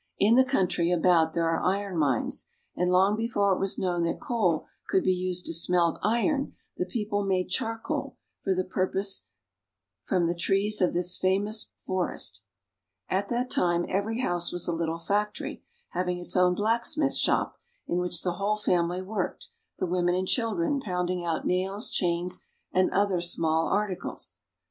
In the country about there are iron mines, and long before it was known that coal could be used to smelt iron the people made charcoal for the purpose from the trees of this famous forest. At that time every house was a little factory, having its own blacksmith shop, in which the whole family worked, the women and children pound ing out nails, chains, and other small articles.